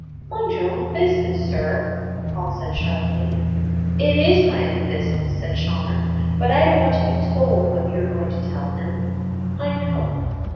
"Mind your own business, sir," said Paul sharply. "It is my own business," said Chawner; "but I don't want to be told what you're going to tell him. I know."